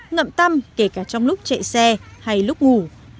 ngậm tâm kể cả trong lúc chạy xe hay lúc ngủ